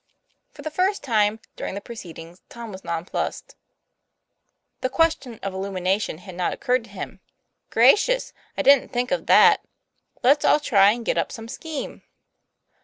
For the first time during the proceedings Tom was nonplussed. The question of illumination had not occurred to him. " Gracious! I didn't think of that. Let's all try and get up some scheme."